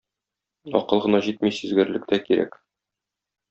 Акыл гына җитми сизгерлек тә кирәк.